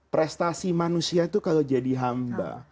prestasi manusia itu kalau jadi hamba